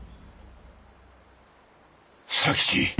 佐吉。